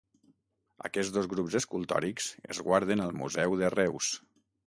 Aquests dos grups escultòrics es guarden al Museu de Reus.